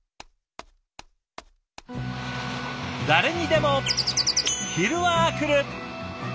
誰にでも昼はくる。